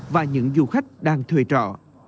và những du khách đang thuê trọ